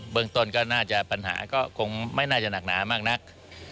เมืองต้นก็น่าจะปัญหาก็คงไม่น่าจะหนักหนามากนัก